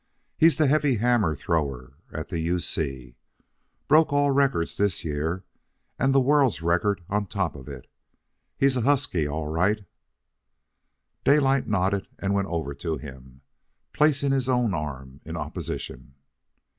"He's the heavy hammer thrower at the U.C. Broke all records this year, and the world's record on top of it. He's a husky all right all right." Daylight nodded and went over to him, placing his own arm in opposition.